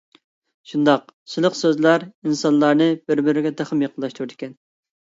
شۇنداق سىلىق سۆزلەر ئىنسانلارنى بىر-بىرىگە تېخىمۇ يېقىنلاشتۇرىدىكەن.